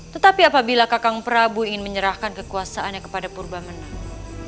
tetapi apabila kakang prabu ingin menyerahkan kekuasaannya kepada purba menang